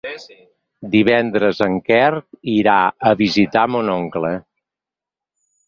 Divendres en Quer irà a visitar mon oncle.